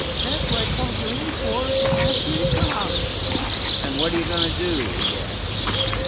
"That 's what I called you in for to ask you to come." "And what are you going to do?" he asked.